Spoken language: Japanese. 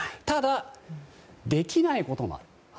ただ、できないことも。